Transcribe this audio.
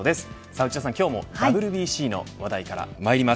内田さん、今日もＷＢＣの話題からまいります。